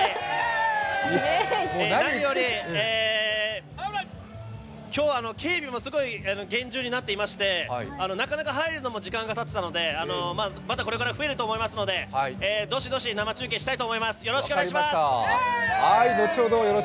何より今日、警備もすごい厳重になっていましてなかなか入るのも時間がかかってたので、またこれから増えると思いますので生中継したいと思います。